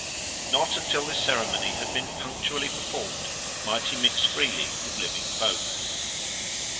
Not until this ceremony had been punctually performed might he mix freely with living folk.